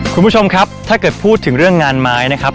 คุณผู้ชมครับถ้าเกิดพูดถึงเรื่องงานไม้นะครับ